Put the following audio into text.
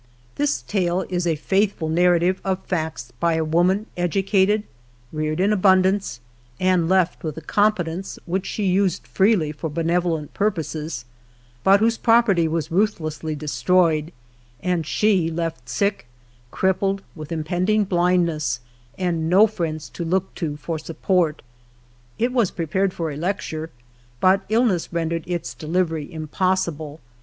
Triis TALK is a fkithftil narrative of facts by a woman educated, reared in abundance, and left with a competence, which she used freely for benevolent purposes, but whose l^roperty was i uthlessly destroyed, and she left sick, crippled, with impending blindness, and no friends to look to tor support. It was ])repared for a lecture, but illness rendered its delivery impo8sil)le.